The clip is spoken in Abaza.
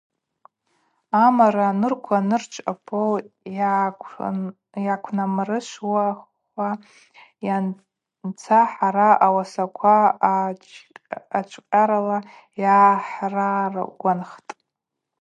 Амара анурква нырчв апоу йгӏаквнамрышвхуа йанца хӏара ауасаква ачвкъьарала йгӏахӏраргванхтӏ.